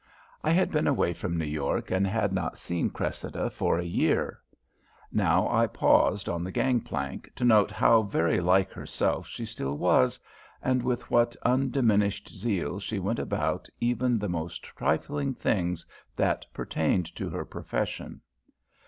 I had been away from New York and had not seen Cressida for a year; now I paused on the gangplank to note how very like herself she still was, and with what undiminished zeal she went about even the most trifling things that pertained to her profession.